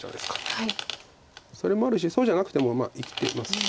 それもあるしそうじゃなくても生きてます。